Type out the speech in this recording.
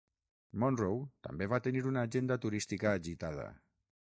Monroe també va tenir una agenda turística agitada.